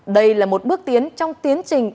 đây là một bước tiến trong tiến trình